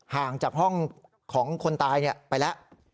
ห่างจากห้องของคนตายไปแล้ว